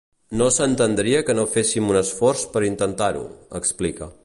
No s’entendria que no féssim un esforç per intentar-ho, explica.